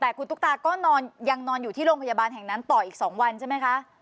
แต่คุณตุ๊กตาก็ยังนอนอยู่ที่โรงพยาบาลแห่งนั้นต่ออีก๒วันใช่ไหมคะ